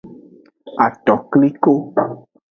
Atokliko.